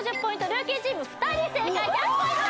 ルーキーチーム２人正解１００ポイント